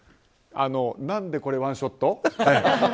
何でこれ、ワンショット？